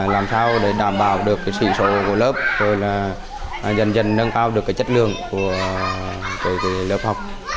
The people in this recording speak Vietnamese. làm sao để đảm bảo được sỉ số của lớp dần dần nâng cao được chất lượng của lớp học